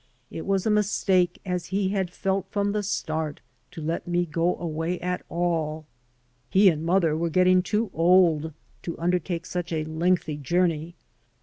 It was a mistake, as he had felt from the start, to let me go away at all. He and mother were getting too old to undertake such a lengthy journey.